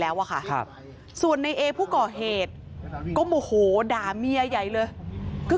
แล้วอะค่ะส่วนในเอผู้ก่อเหตุก็โมโหด่าเมียใหญ่เลยก็คือ